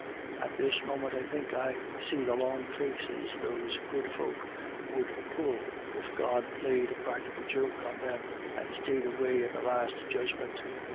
At this moment, I think I see the long faces those good folk would pull if God played a practical joke on them and stayed away at the Last Judgment.